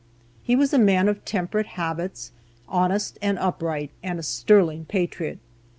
He was a man of temperate habits, honest and upright, and a sterling patriot.